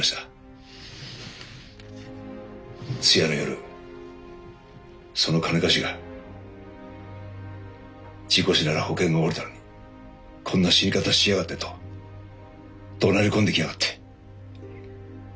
通夜の夜その金貸しが事故死なら保険が下りたのにこんな死に方しやがってとどなり込んできやがって。